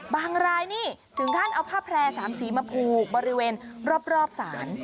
บางรายนี่ถึงการเอาผ้าแพร่สามสีมาผูกบริเวณรอบสาร